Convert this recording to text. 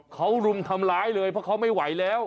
เขารุมทำร้ายเลยเพราะเขาไม่ไหวแล้ว